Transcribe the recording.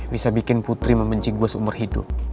bisa bikin putri membenci gue seumur hidup